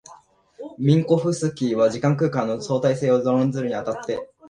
ミンコフスキーは時間空間の相対性を講ずるに当たって、